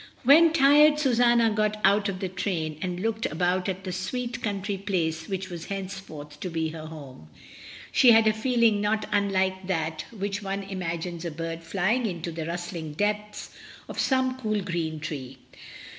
When tired Susanna got out of the train and looked about at the sweet country place which was SUSANNA AT HOME. 213 henceforth to be her home, she had a feeling not unlike that with which one imagines a bird flying into the rustling depths of some cool green tree.